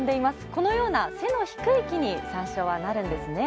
このような背の低い木に山椒はなるんですね。